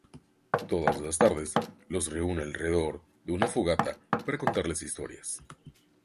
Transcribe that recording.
Todas las tarde los reúne alrededor de una fogata para contarles historias.